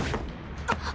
あっ！！